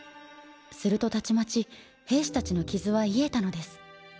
するとたちまち兵士たちの傷は癒えたのです。